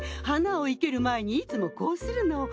花を生ける前にいつもこうするの。